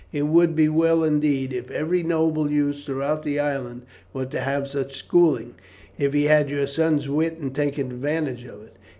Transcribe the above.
It would be well, indeed, if every noble youth throughout the island were to have such schooling, if he had your son's wit in taking advantage of it.